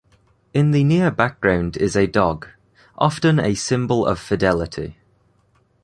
In the near background is a dog, often a symbol of fidelity.